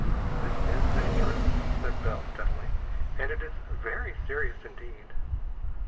"This is dangerous," said Bell, steadily, "and it is very serious indeed."